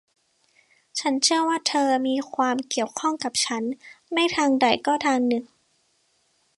ฉันเชื่อว่าเธอมีความเกี่ยวข้องกับฉันไม่ทางใดก็ทางหนึ่ง